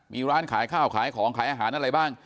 มีร้านขายข้าวขายของขายอาหารอะไรบ้าง